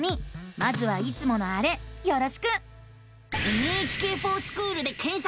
まずはいつものあれよろしく！